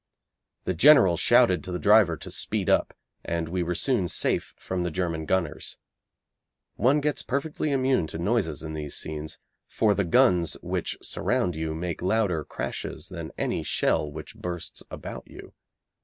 The General shouted to the driver to speed up, and we were soon safe from the German gunners. One gets perfectly immune to noises in these scenes, for the guns which surround you make louder crashes than any shell which bursts about you.